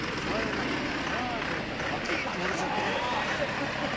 前なんか、はー！ってやったらバキッと折れちゃって。